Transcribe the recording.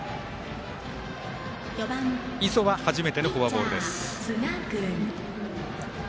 磯は初めてのフォアボールです。